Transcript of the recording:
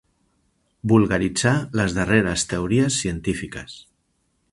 Vulgaritzar les darreres teories científiques.